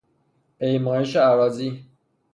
پیمایش اراضی